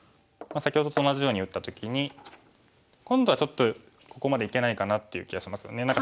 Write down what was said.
先ほどと同じように打った時に今度はちょっとここまでいけないかなっていう気がしますよね。